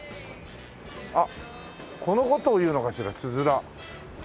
あっこの事をいうのかしらつづら。